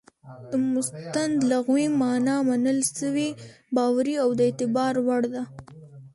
د مستند لغوي مانا منل سوى، باوري، او د اعتبار وړ ده.